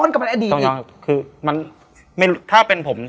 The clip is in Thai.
คือถ้าเป็นผม